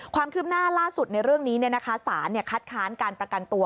ความคืบหน้าล่าสุดในเรื่องนี้สารคัดค้านการประกันตัว